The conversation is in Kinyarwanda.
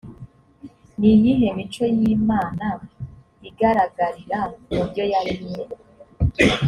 ni iyihe mico y imana igaragarira mu byo yaremye